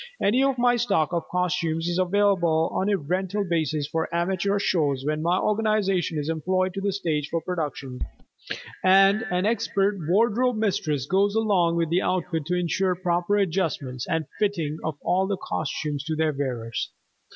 Any of my stock of costumes is available on a rental basis for amateur shows when my organization is employed to stage the productions, and an expert wardrobe mistress goes along with the outfit to insure proper adjustment and fitting of all the costumes to their wearers.